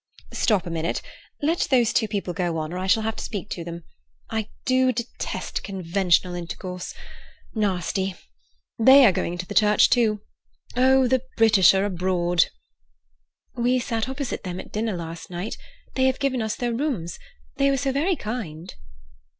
"Stop a minute; let those two people go on, or I shall have to speak to them. I do detest conventional intercourse. Nasty! they are going into the church, too. Oh, the Britisher abroad!" "We sat opposite them at dinner last night. They have given us their rooms. They were so very kind."